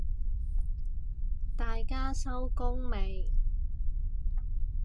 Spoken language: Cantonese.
大家收工未啊？